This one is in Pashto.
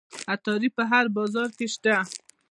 عطاري په هر بازار کې شته.